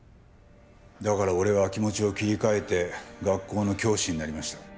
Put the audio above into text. だから俺は気持ちを切り替えて学校の教師になりました。